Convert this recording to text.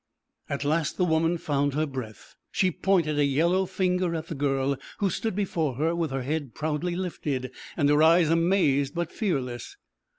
At last the woman found her breath. She pointed a yellow finger at the girl, who stood before her with her head proudly lifted, and her eyes amazed but fearless.